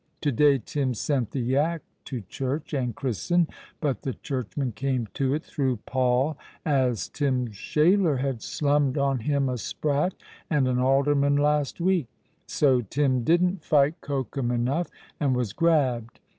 To day Tim sent the yack to church and christen; but the churchman came to it through poll, as Tim's shaler had slummed on him a sprat and an alderman last week. So Tim didn't fight cocum enough, and was grabbed.